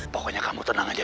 pokoknya kamu tenang aja